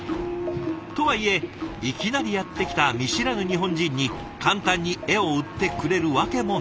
とはいえいきなりやってきた見知らぬ日本人に簡単に絵を売ってくれるわけもない。